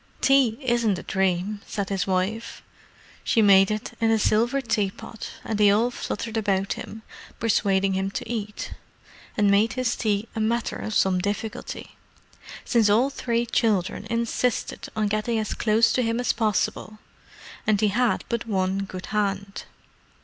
"Tea isn't a dream," said his wife. She made it in the silver tea pot, and they all fluttered about him, persuading him to eat: and made his tea a matter of some difficulty, since all three children insisted on getting as close to him as possible, and he had but one good hand.